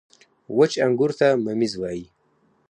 • وچ انګور ته مميز وايي.